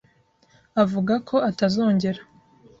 avuga ko atazongera.